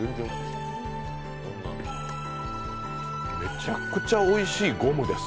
めちゃくちゃおいしいゴムです。